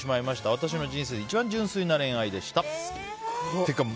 私の人生で一番純粋な恋愛でした。